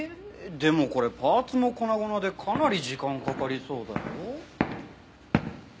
でもこれパーツも粉々でかなり時間かかりそうだよ。